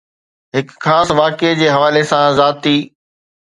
هڪ خاص واقعي جي حوالي سان ذاتي